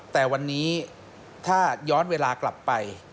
แต่วันนี้ถ้าย้อนเวลากลับไป